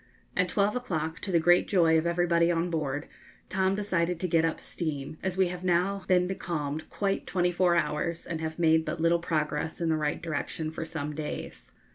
At twelve o'clock, to the great joy of everybody on board, Tom decided to get up steam, as we have now been becalmed quite twenty four hours, and have made but little progress in the right direction for some days.